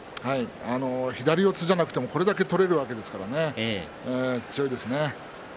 左四つじゃなくてもこれだけ取れるわけですから強いですね。